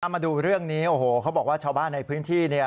มาดูเรื่องนี้โอ้โหเขาบอกว่าชาวบ้านในพื้นที่เนี่ย